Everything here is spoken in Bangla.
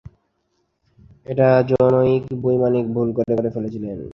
এটা জনৈক বৈমানিক ভুল করে করে ফেলেছিলেন।